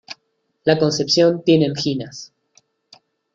La Concepción tiene anginas.